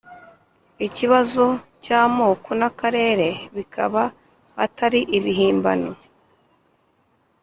ikibazo cy' amoko n' akarere bikaba atari ibihimbano.